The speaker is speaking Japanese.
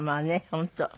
本当。